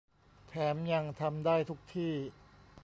แถมยังทำได้ทุกที่